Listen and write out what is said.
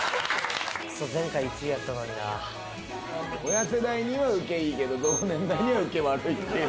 親世代にはウケいいけど同年代にはウケ悪いって。